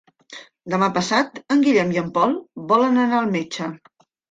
Demà passat en Guillem i en Pol volen anar al metge.